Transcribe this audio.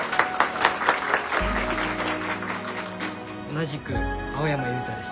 同じく青山悠太です。